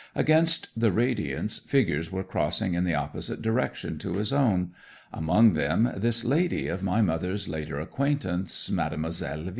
Against the radiance figures were crossing in the opposite direction to his own; among them this lady of my mother's later acquaintance, Mademoiselle V